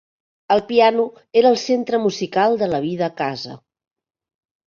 El piano era el centre musical de la vida a casa.